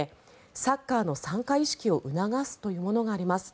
サッカーの参加意識を促すというものがあります。